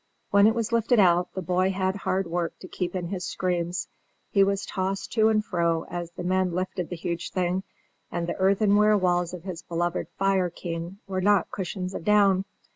When it was lifted out, the boy had hard work to keep in his screams; he was tossed to and fro as the men lifted the huge thing, and the earthenware walls of his beloved fire king were not cushions of down.